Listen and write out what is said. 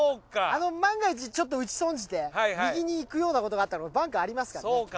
万が一ちょっと打ち損じて右に行くようなことがあったらバンカーありますからね。